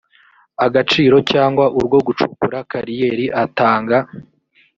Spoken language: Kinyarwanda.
agaciro cyangwa urwo gucukura kariyeri atanga